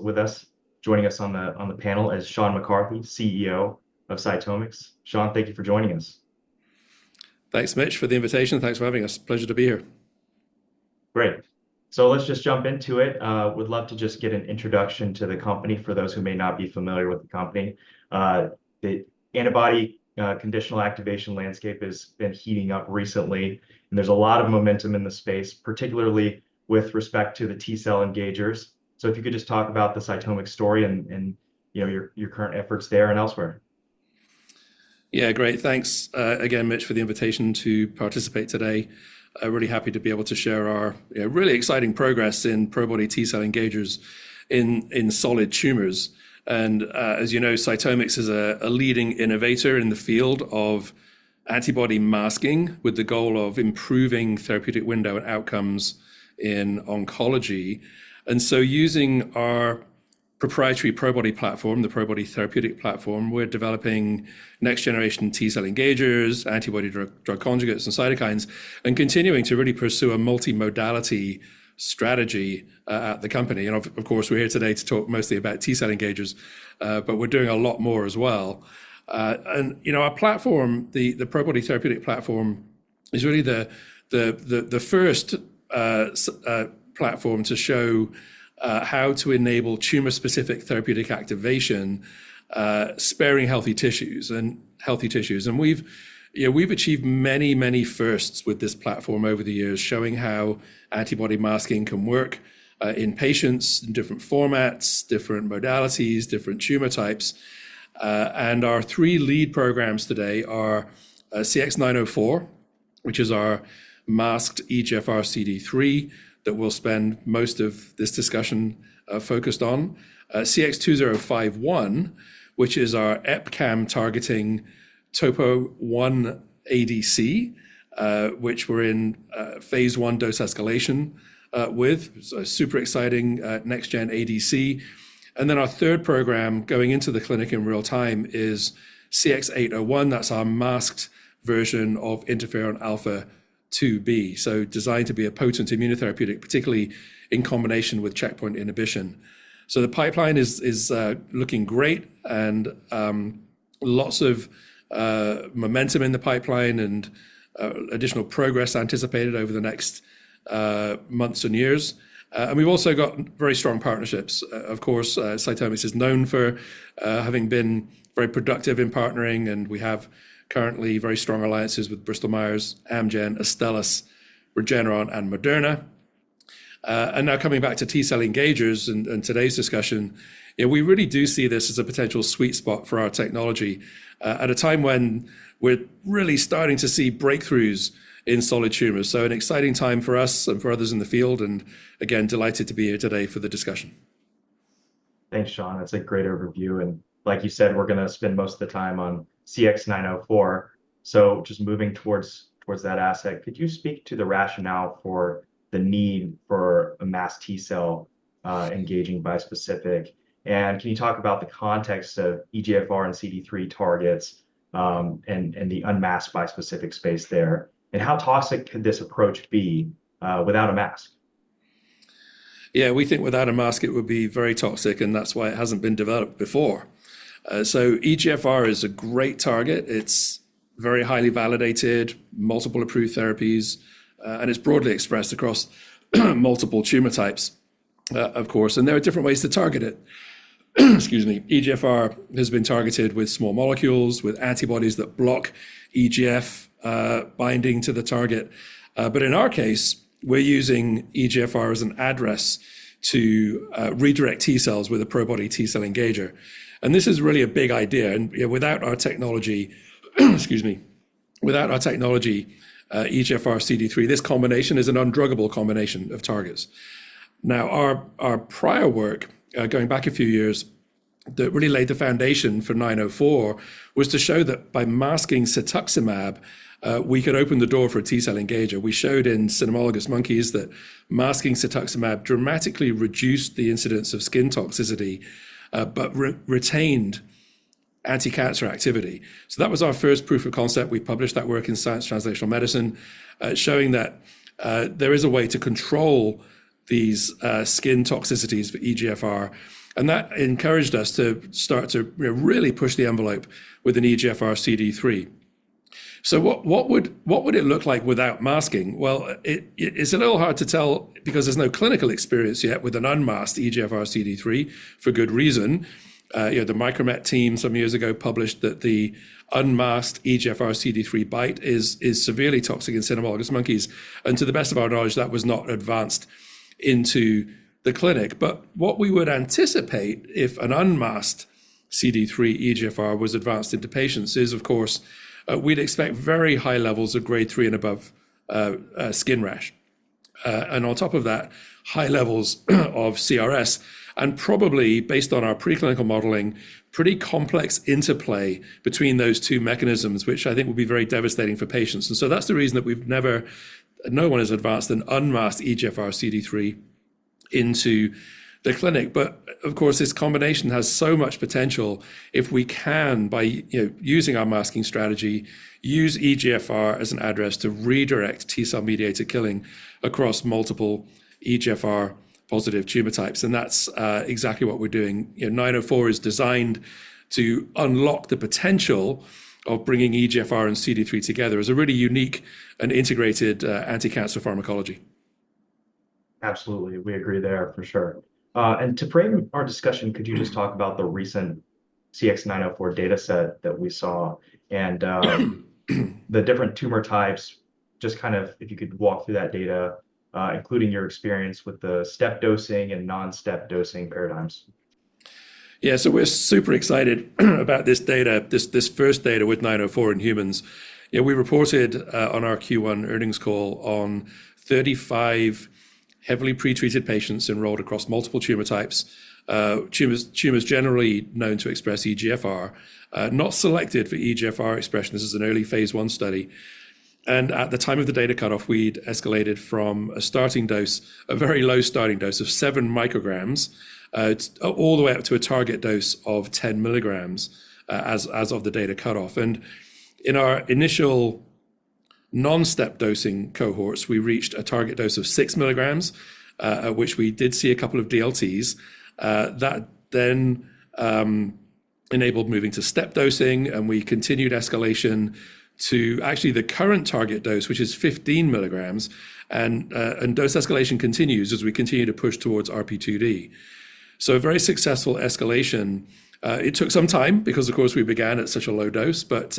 With us, joining us on the panel is Sean McCarthy, CEO of CytomX. Sean, thank you for joining us. Thanks much for the invitation. Thanks for having us. Pleasure to be here. Great. So let's just jump into it. I would love to just get an introduction to the company for those who may not be familiar with the company. The antibody conditional activation landscape has been heating up recently, and there's a lot of momentum in the space, particularly with respect to the T cell engagers. So if you could just talk about the CytomX story and your current efforts there and elsewhere. Yeah, great. Thanks again much for the invitation to participate today. I'm really happy to be able to share our really exciting progress in Probody T cell engagers in solid tumors. And as you know, CytomX is a leading innovator in the field of antibody masking with the goal of improving therapeutic window and outcomes in oncology. And so using our proprietary Probody platform, the Probody therapeutic platform, we're developing next-generation T cell engagers, antibody-drug conjugates, and cytokines, and continuing to really pursue a multi-modality strategy at the company. And of course, we're here today to talk mostly about T cell engagers, but we're doing a lot more as well. And our platform, the Probody therapeutic platform, is really the first platform to show how to enable tumor-specific therapeutic activation, sparing healthy tissues. We've achieved many, many firsts with this platform over the years, showing how antibody masking can work in patients in different formats, different modalities, different tumor types. Our three lead programs today are CX-904, which is our masked EGFR CD3 that we'll spend most of this discussion focused on, CX-2051, which is our EpCAM targeting TOPO-1 ADC, which we're in phase I dose escalation with, so super exciting next-gen ADC. Then our third program going into the clinic in real time is CX-801. That's our masked version of interferon alfa-2b, so designed to be a potent immunotherapeutic, particularly in combination with checkpoint inhibition. So the pipeline is looking great and lots of momentum in the pipeline and additional progress anticipated over the next months and years. And we've also got very strong partnerships. Of course, CytomX is known for having been very productive in partnering, and we have currently very strong alliances with Bristol Myers, Amgen, Astellas, Regeneron, and Moderna. And now coming back to T cell engagers and today's discussion, we really do see this as a potential sweet spot for our technology at a time when we're really starting to see breakthroughs in solid tumors. So an exciting time for us and for others in the field. And again, delighted to be here today for the discussion. Thanks, Sean. That's a great overview. Like you said, we're going to spend most of the time on CX-904. Just moving towards that asset, could you speak to the rationale for the need for a masked T cell engaging bispecific? And can you talk about the context of EGFR and CD3 targets and the unmasked bispecific space there? And how toxic could this approach be without a mask? Yeah, we think without a mask, it would be very toxic, and that's why it hasn't been developed before. So EGFR is a great target. It's very highly validated, multiple approved therapies, and it's broadly expressed across multiple tumor types, of course. And there are different ways to target it. Excuse me. EGFR has been targeted with small molecules with antibodies that block EGF binding to the target. But in our case, we're using EGFR as an address to redirect T cells with a Probody T cell engager. And this is really a big idea. And without our technology, excuse me, without our technology, EGFR CD3, this combination is an undruggable combination of targets. Now, our prior work, going back a few years, that really laid the foundation for 904 was to show that by masking cetuximab, we could open the door for a T cell engager. We showed in Cynomolgus monkeys that masking cetuximab dramatically reduced the incidence of skin toxicity but retained anti-cancer activity. So that was our first proof of concept. We published that work in Science Translational Medicine, showing that there is a way to control these skin toxicities for EGFR. And that encouraged us to start to really push the envelope with an EGFR CD3. So what would it look like without masking? Well, it's a little hard to tell because there's no clinical experience yet with an unmasked EGFR CD3 for good reason. The Micromet team some years ago published that the unmasked EGFR CD3 BiTE is severely toxic in cynomolgus monkeys. And to the best of our knowledge, that was not advanced into the clinic. But what we would anticipate if an unmasked CD3 EGFR was advanced into patients is, of course, we'd expect very high levels of grade three and above skin rash. And on top of that, high levels of CRS and probably, based on our preclinical modeling, pretty complex interplay between those two mechanisms, which I think would be very devastating for patients. And so that's the reason that we've never, no one has advanced an unmasked EGFR CD3 into the clinic. But of course, this combination has so much potential if we can, by using our masking strategy, use EGFR as an address to redirect T-cell-mediated killing across multiple EGFR-positive tumor types. And that's exactly what we're doing. 904 is designed to unlock the potential of bringing EGFR and CD3 together as a really unique and integrated anti-cancer pharmacology. Absolutely. We agree there for sure. To frame our discussion, could you just talk about the recent CX-904 data set that we saw and the different tumor types, just kind of if you could walk through that data, including your experience with the step dosing and non-step dosing paradigms? Yeah, so we're super excited about this data, this first data with CX-904 in humans. We reported on our Q1 earnings call on 35 heavily pretreated patients enrolled across multiple tumor types, tumors generally known to express EGFR, not selected for EGFR expression. This is an early phase I study. At the time of the data cutoff, we'd escalated from a starting dose, a very low starting dose of 7 micrograms, all the way up to a target dose of 10 milligrams as of the data cutoff. In our initial non-step dosing cohorts, we reached a target dose of 6 milligrams, at which we did see a couple of DLTs. That then enabled moving to step dosing, and we continued escalation to actually the current target dose, which is 15 milligrams. Dose escalation continues as we continue to push towards RP2D. So very successful escalation. It took some time because, of course, we began at such a low dose, but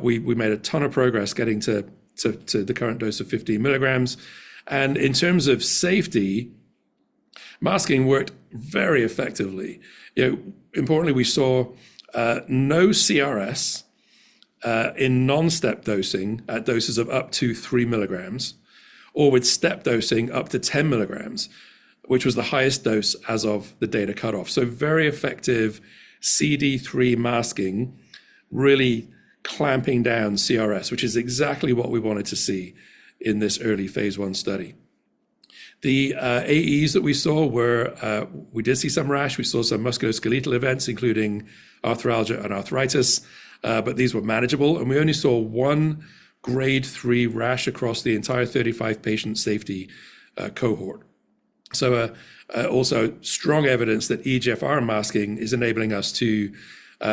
we made a ton of progress getting to the current dose of 15 milligrams. In terms of safety, masking worked very effectively. Importantly, we saw no CRS in non-step dosing at doses of up to 3 milligrams or with step dosing up to 10 milligrams, which was the highest dose as of the data cutoff. Very effective CD3 masking, really clamping down CRS, which is exactly what we wanted to see in this early phase I study. The AEs that we saw were, we did see some rash. We saw some musculoskeletal events, including arthralgia and arthritis, but these were manageable. We only saw one grade three rash across the entire 35-patient safety cohort. So also strong evidence that EGFR masking is enabling us to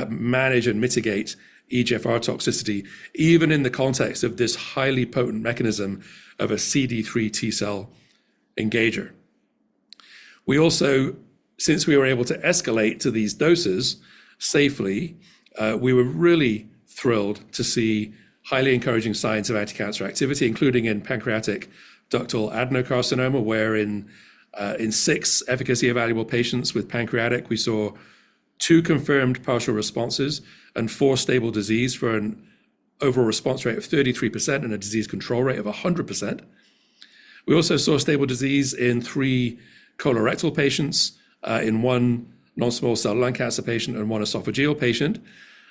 manage and mitigate EGFR toxicity, even in the context of this highly potent mechanism of a CD3 T cell engager. We also, since we were able to escalate to these doses safely, we were really thrilled to see highly encouraging signs of anti-cancer activity, including in pancreatic ductal adenocarcinoma, where in six efficacy evaluable patients with pancreatic, we saw two confirmed partial responses and four stable disease for an overall response rate of 33% and a disease control rate of 100%. We also saw stable disease in 3 colorectal patients, in 1 non-small cell lung cancer patient and 1 esophageal patient.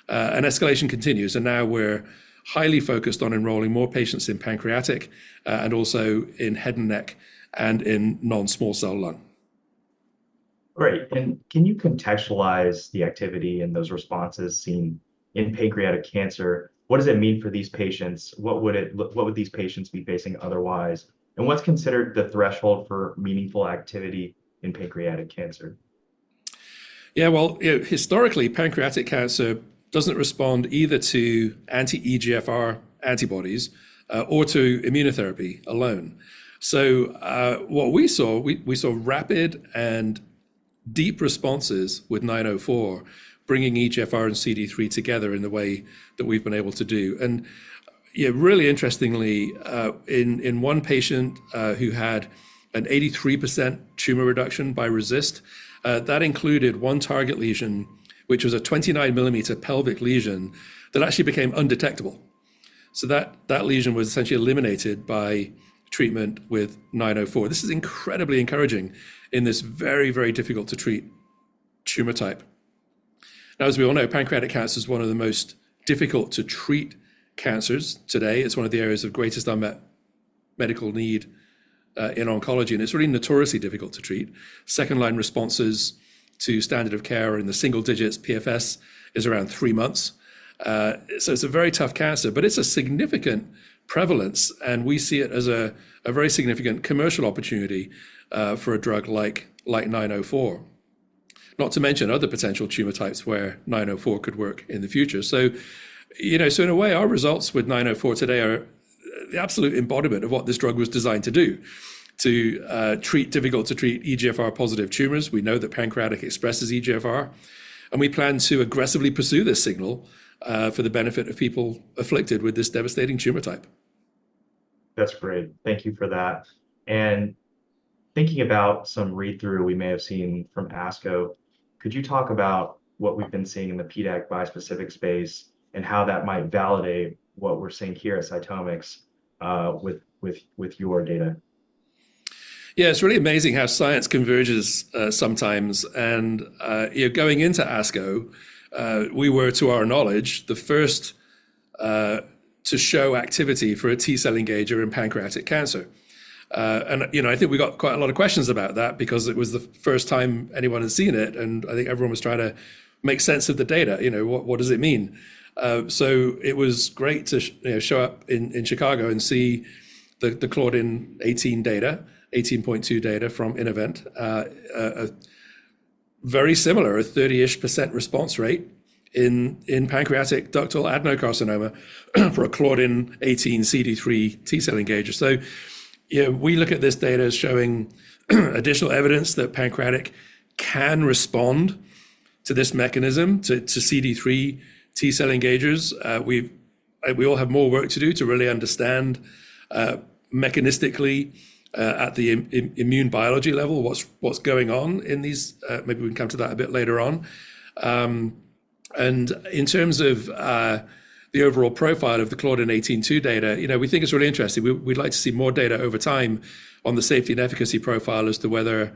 Escalation continues. Now we're highly focused on enrolling more patients in pancreatic and also in head and neck and in non-small cell lung. Great. And can you contextualize the activity and those responses seen in pancreatic cancer? What does it mean for these patients? What would these patients be facing otherwise? And what's considered the threshold for meaningful activity in pancreatic cancer? Yeah, well, historically, pancreatic cancer doesn't respond either to anti-EGFR antibodies or to immunotherapy alone. So what we saw, we saw rapid and deep responses with 904, bringing EGFR and CD3 together in the way that we've been able to do. And really interestingly, in one patient who had an 83% tumor reduction by RECIST, that included one target lesion, which was a 29-millimeter pelvic lesion that actually became undetectable. So that lesion was essentially eliminated by treatment with 904. This is incredibly encouraging in this very, very difficult to treat tumor type. Now, as we all know, pancreatic cancer is one of the most difficult to treat cancers today. It's one of the areas of greatest unmet medical need in oncology, and it's really notoriously difficult to treat. Second-line responses to standard of care are in the single digits. PFS is around three months. So it's a very tough cancer, but it's a significant prevalence, and we see it as a very significant commercial opportunity for a drug like 904, not to mention other potential tumor types where 904 could work in the future. So in a way, our results with 904 today are the absolute embodiment of what this drug was designed to do, to treat difficult to treat EGFR positive tumors. We know that pancreatic expresses EGFR, and we plan to aggressively pursue this signal for the benefit of people afflicted with this devastating tumor type. That's great. Thank you for that. And thinking about some read-through we may have seen from ASCO, could you talk about what we've been seeing in the PDAC bispecific space and how that might validate what we're seeing here at CytomX with your data? Yeah, it's really amazing how science converges sometimes. And going into ASCO, we were, to our knowledge, the first to show activity for a T cell engager in pancreatic cancer. And I think we got quite a lot of questions about that because it was the first time anyone had seen it, and I think everyone was trying to make sense of the data. What does it mean? So it was great to show up in Chicago and see the Claudin 18 data, 18.2 data from Innovent, very similar, a 30-ish% response rate in pancreatic ductal adenocarcinoma for a Claudin 18 CD3 T cell engager. So we look at this data as showing additional evidence that pancreatic can respond to this mechanism, to CD3 T cell engagers. We all have more work to do to really understand mechanistically at the immune biology level what's going on in these. Maybe we can come to that a bit later on. In terms of the overall profile of the Claudin 18.2 data, we think it's really interesting. We'd like to see more data over time on the safety and efficacy profile as to whether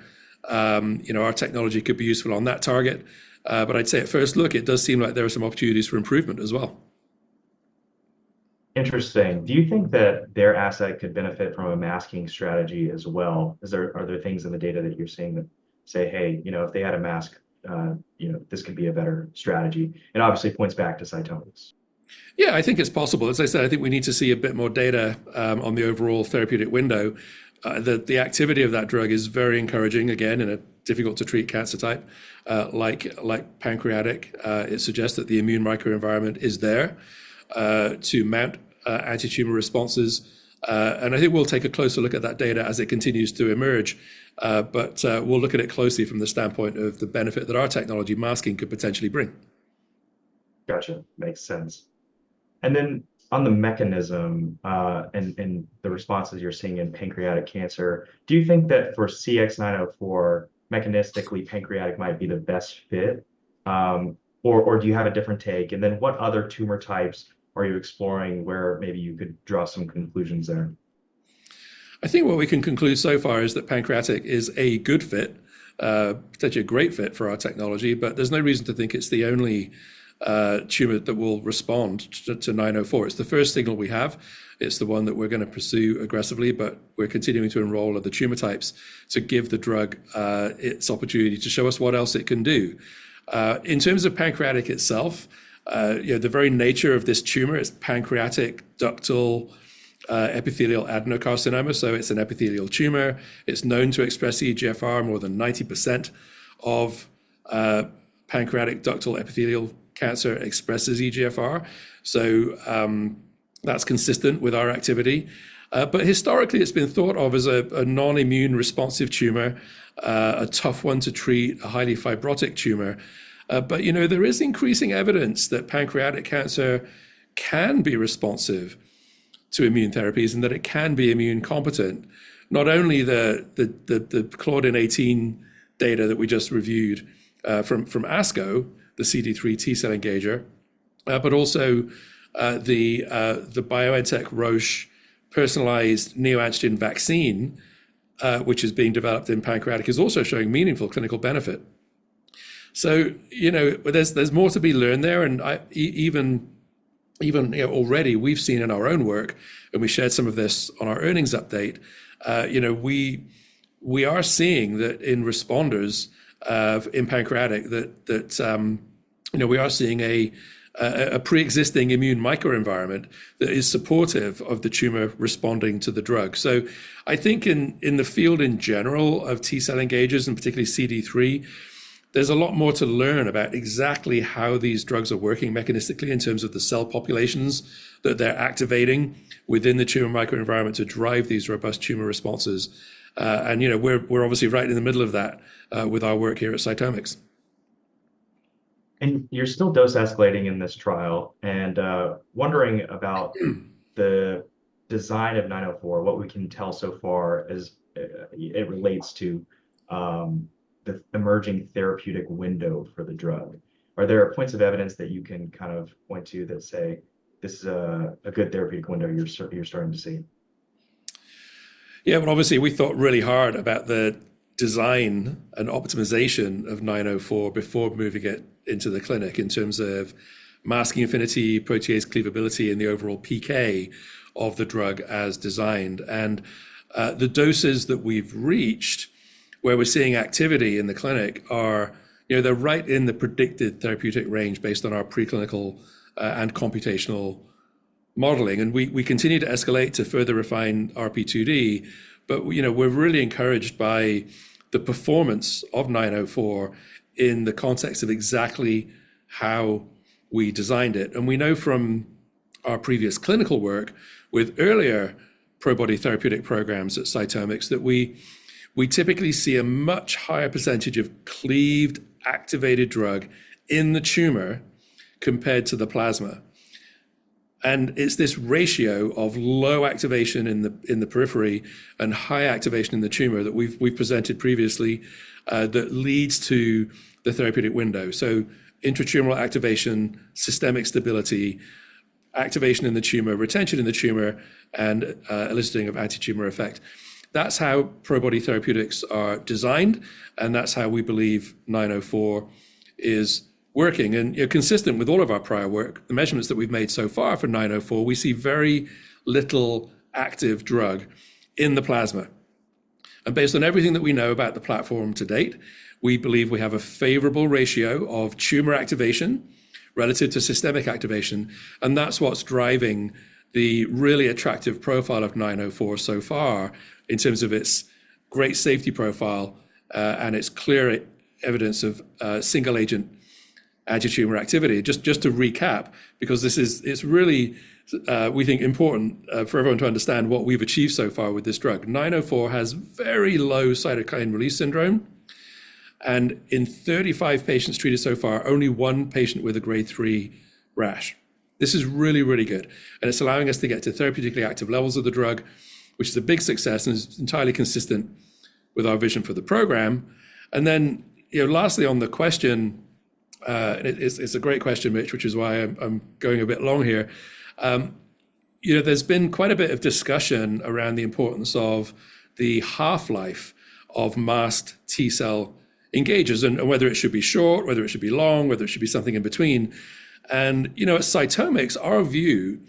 our technology could be useful on that target. But I'd say at first look, it does seem like there are some opportunities for improvement as well. Interesting. Do you think that their asset could benefit from a masking strategy as well? Are there things in the data that you're seeing that say, hey, if they had a mask, this could be a better strategy? And obviously points back to CytomX. Yeah, I think it's possible. As I said, I think we need to see a bit more data on the overall therapeutic window. The activity of that drug is very encouraging, again, in a difficult to treat cancer type like pancreatic. It suggests that the immune microenvironment is there to mount anti-tumor responses. I think we'll take a closer look at that data as it continues to emerge. We'll look at it closely from the standpoint of the benefit that our technology masking could potentially bring. Gotcha. Makes sense. And then on the mechanism and the responses you're seeing in pancreatic cancer, do you think that for CX-904, mechanistically, pancreatic might be the best fit, or do you have a different take? And then what other tumor types are you exploring where maybe you could draw some conclusions there? I think what we can conclude so far is that pancreatic is a good fit, such a great fit for our technology, but there's no reason to think it's the only tumor that will respond to 904. It's the first signal we have. It's the one that we're going to pursue aggressively, but we're continuing to enroll at the tumor types to give the drug its opportunity to show us what else it can do. In terms of pancreatic itself, the very nature of this tumor is pancreatic ductal epithelial adenocarcinoma. So it's an epithelial tumor. It's known to express EGFR more than 90% of pancreatic ductal epithelial cancer expresses EGFR. So that's consistent with our activity. But historically, it's been thought of as a non-immune responsive tumor, a tough one to treat, a highly fibrotic tumor. But there is increasing evidence that pancreatic cancer can be responsive to immune therapies and that it can be immune competent, not only the Claudin 18 data that we just reviewed from ASCO, the CD3 T cell engager, but also the BioNTech Roche personalized neoantigen vaccine, which is being developed in pancreatic, is also showing meaningful clinical benefit. So there's more to be learned there. And even already, we've seen in our own work, and we shared some of this on our earnings update, we are seeing that in responders in pancreatic, that we are seeing a pre-existing immune microenvironment that is supportive of the tumor responding to the drug. I think in the field in general of T cell engagers and particularly CD3, there's a lot more to learn about exactly how these drugs are working mechanistically in terms of the cell populations that they're activating within the tumor microenvironment to drive these robust tumor responses. We're obviously right in the middle of that with our work here at CytomX. You're still dose escalating in this trial and wondering about the design of 904, what we can tell so far as it relates to the emerging therapeutic window for the drug. Are there points of evidence that you can kind of point to that say, this is a good therapeutic window you're starting to see? Yeah, but obviously, we thought really hard about the design and optimization of 904 before moving it into the clinic in terms of masking affinity, protease cleavability, and the overall PK of the drug as designed. And the doses that we've reached where we're seeing activity in the clinic are right in the predicted therapeutic range based on our preclinical and computational modeling. And we continue to escalate to further refine RP2D, but we're really encouraged by the performance of 904 in the context of exactly how we designed it. And we know from our previous clinical work with earlier Probody therapeutic programs at CytomX that we typically see a much higher percentage of cleaved activated drug in the tumor compared to the plasma. And it's this ratio of low activation in the periphery and high activation in the tumor that we've presented previously that leads to the therapeutic window. So intra-tumoral activation, systemic stability, activation in the tumor, retention in the tumor, and eliciting of anti-tumor effect. That's how Probody therapeutics are designed, and that's how we believe 904 is working. Consistent with all of our prior work, the measurements that we've made so far for 904, we see very little active drug in the plasma. Based on everything that we know about the platform to date, we believe we have a favorable ratio of tumor activation relative to systemic activation. That's what's driving the really attractive profile of 904 so far in terms of its great safety profile and its clear evidence of single-agent anti-tumor activity. Just to recap, because it's really, we think, important for everyone to understand what we've achieved so far with this drug. 904 has very low cytokine release syndrome. In 35 patients treated so far, only one patient with a grade three rash. This is really, really good. It's allowing us to get to therapeutically active levels of the drug, which is a big success and is entirely consistent with our vision for the program. Then lastly, on the question, it's a great question, Mitch, which is why I'm going a bit long here. There's been quite a bit of discussion around the importance of the half-life of masked T cell engagers and whether it should be short, whether it should be long, whether it should be something in between. At CytomX, our view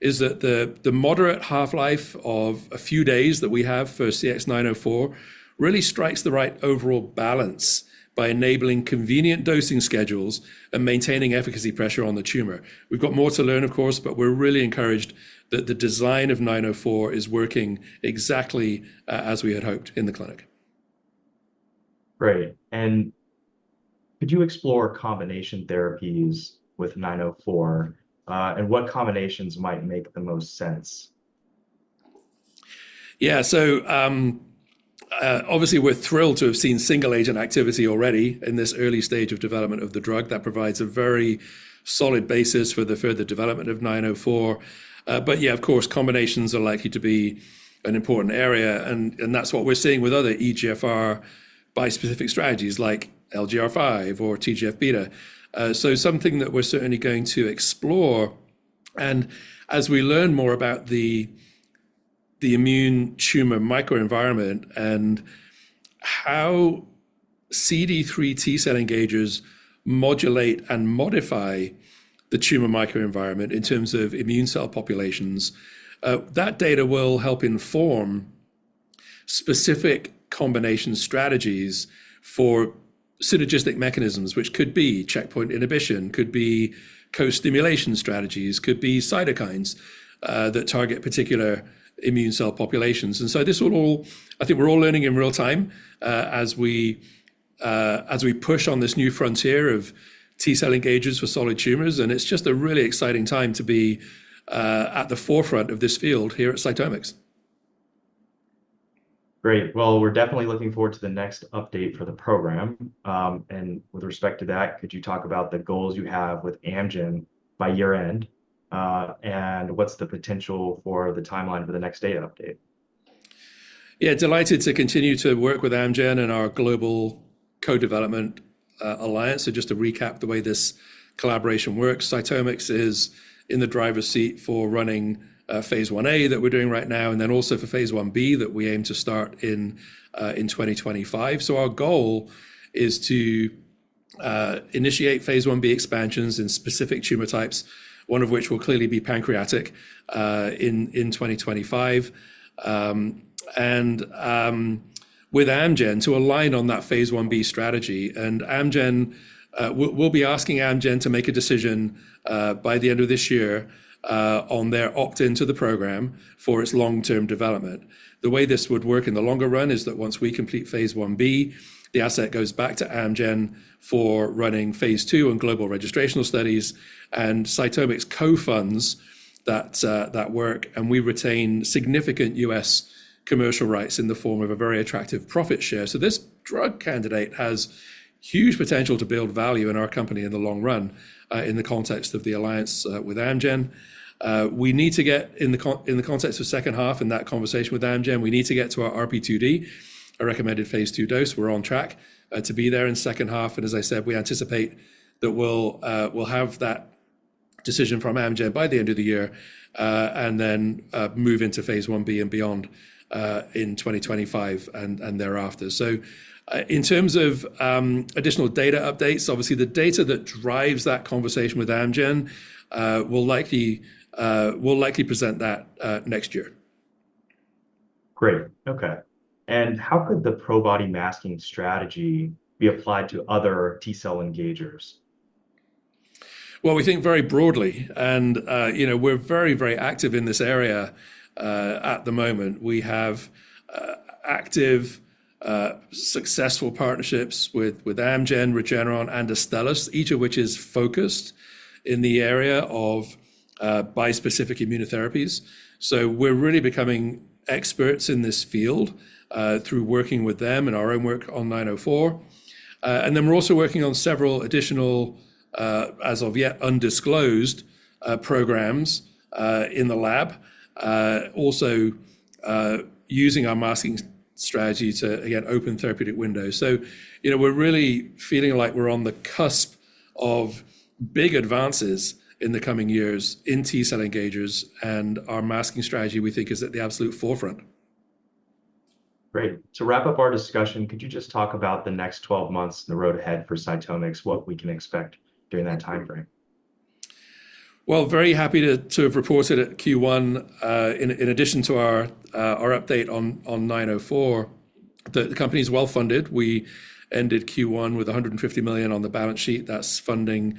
is that the moderate half-life of a few days that we have for CX-904 really strikes the right overall balance by enabling convenient dosing schedules and maintaining efficacy pressure on the tumor. We've got more to learn, of course, but we're really encouraged that the design of 904 is working exactly as we had hoped in the clinic. Great. Could you explore combination therapies with 904, and what combinations might make the most sense? Yeah, so obviously, we're thrilled to have seen single-agent activity already in this early stage of development of the drug that provides a very solid basis for the further development of 904. But yeah, of course, combinations are likely to be an important area. And that's what we're seeing with other EGFR bispecific strategies like LGR5 or TGF-beta. So something that we're certainly going to explore. And as we learn more about the immune tumor microenvironment and how CD3 T cell engagers modulate and modify the tumor microenvironment in terms of immune cell populations, that data will help inform specific combination strategies for synergistic mechanisms, which could be checkpoint inhibition, could be co-stimulation strategies, could be cytokines that target particular immune cell populations. And so this will all, I think we're all learning in real time as we push on this new frontier of T cell engagers for solid tumors. And it's just a really exciting time to be at the forefront of this field here at CytomX. Great. Well, we're definitely looking forward to the next update for the program. With respect to that, could you talk about the goals you have with Amgen by year-end, and what's the potential for the timeline for the next data update? Yeah, delighted to continue to work with Amgen and our global co-development alliance. So just to recap the way this collaboration works, CytomX is in the driver's seat for running phase I-A that we're doing right now, and then also for phase I-B that we aim to start in 2025. Our goal is to initiate phase I-B expansions in specific tumor types, one of which will clearly be pancreatic in 2025, and with Amgen to align on that phase I-B strategy. We'll be asking Amgen to make a decision by the end of this year on their opt-in to the program for its long-term development. The way this would work in the longer run is that once we complete phase I-B, the asset goes back to Amgen for running phase II and global registrational studies and CytomX co-funds that work, and we retain significant U.S. commercial rights in the form of a very attractive profit share. So this drug candidate has huge potential to build value in our company in the long run in the context of the alliance with Amgen. We need to get, in the context of second half and that conversation with Amgen, we need to get to our RP2D, a recommended phase II dose. We're on track to be there in second half. And as I said, we anticipate that we'll have that decision from Amgen by the end of the year and then move into phase I-B and beyond in 2025 and thereafter. In terms of additional data updates, obviously, the data that drives that conversation with Amgen will likely present that next year. Great. Okay. And how could the Probody masking strategy be applied to other T cell engagers? Well, we think very broadly. We're very, very active in this area at the moment. We have active, successful partnerships with Amgen, Regeneron, and Astellas, each of which is focused in the area of bispecific immunotherapies. We're really becoming experts in this field through working with them and our own work on 904. Then we're also working on several additional, as of yet, undisclosed programs in the lab, also using our masking strategy to, again, open therapeutic windows. We're really feeling like we're on the cusp of big advances in the coming years in T cell engagers. Our masking strategy, we think, is at the absolute forefront. Great. To wrap up our discussion, could you just talk about the next 12 months and the road ahead for CytomX, what we can expect during that timeframe? Well, very happy to have reported at Q1. In addition to our update on 904, the company is well funded. We ended Q1 with $150 million on the balance sheet. That's funding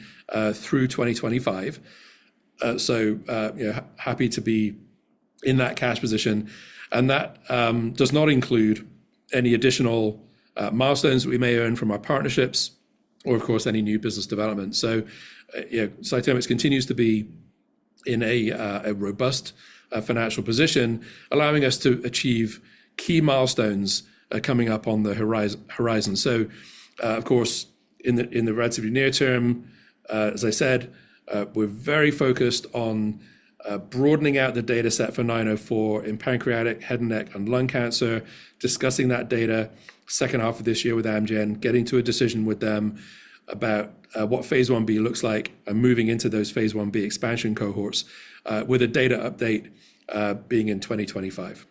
through 2025. So happy to be in that cash position. And that does not include any additional milestones that we may earn from our partnerships or, of course, any new business development. So CytomX continues to be in a robust financial position, allowing us to achieve key milestones coming up on the horizon. So, of course, in the relatively near term, as I said, we're very focused on broadening out the data set for CX-904 in pancreatic, head and neck, and lung cancer, discussing that data second half of this year with Amgen, getting to a decision with them about what phase I-B looks like, and moving into those phase I-B expansion cohorts with a data update being in 2025.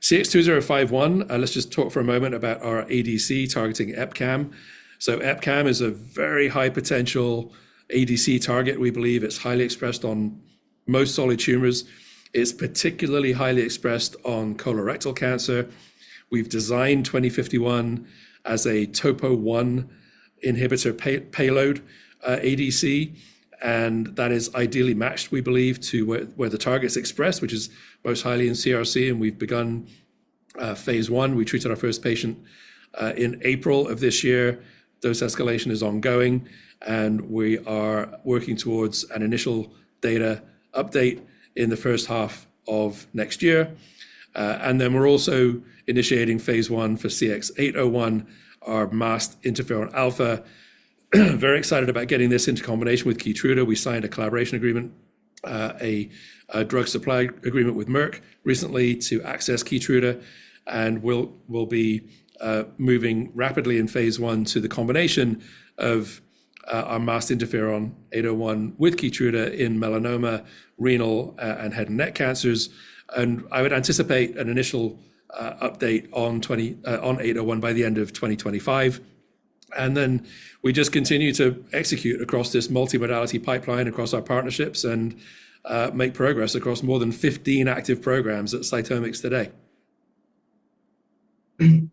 CX-2051, let's just talk for a moment about our ADC targeting EpCAM. So EpCAM is a very high potential ADC target. We believe it's highly expressed on most solid tumors. It's particularly highly expressed on colorectal cancer. We've designed CX-2051 as a TOPO-1 inhibitor payload ADC. That is ideally matched, we believe, to where the target's expressed, which is most highly in CRC. We've begun phase I. We treated our first patient in April of this year. Dose escalation is ongoing. We are working towards an initial data update in the first half of next year. Then we're also initiating phase I for CX-801, our masked interferon alpha. Very excited about getting this into combination with KEYTRUDA. We signed a collaboration agreement, a drug supply agreement with Merck recently to access KEYTRUDA. We'll be moving rapidly in phase I to the combination of our masked interferon 801 with KEYTRUDA in melanoma, renal, and head and neck cancers. I would anticipate an initial update on 801 by the end of 2025. Then we just continue to execute across this multimodality pipeline across our partnerships and make progress across more than 15 active programs at CytomX today.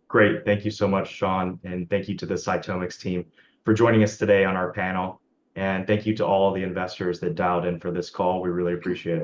Great. Thank you so much, Sean. And thank you to the CytomX team for joining us today on our panel. And thank you to all the investors that dialed in for this call. We really appreciate it.